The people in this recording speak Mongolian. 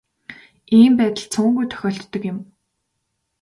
Ийм байдал цөөнгүй тохиолддог юм.